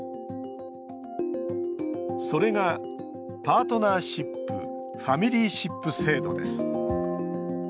それが、パートナーシップ・ファミリーシップ制度です。